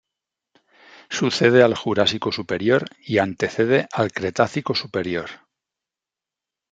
Sucede al Jurásico superior y antecede al Cretácico superior.